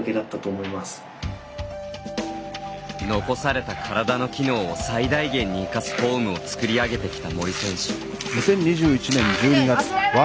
残された体の機能を最大限に生かすフォームを作り上げてきた森選手。